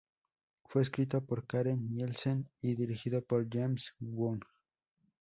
Fue escrito por Karen Nielsen y dirigido por James Wong.